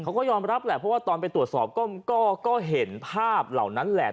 เขาก็ยอมรับแหละเพราะว่าตอนไปตรวจสอบก็เห็นภาพเหล่านั้นแหละ